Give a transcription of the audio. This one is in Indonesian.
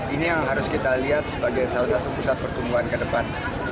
ini yang harus kita lihat sebagai salah satu pusat pertumbuhan ke depan